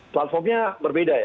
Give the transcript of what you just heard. platformnya berbeda ya